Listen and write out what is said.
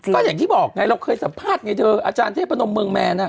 ก็อย่างที่บอกไงเราเคยสัมภาษณ์ไงเธออาจารย์เทพนมเมืองแมน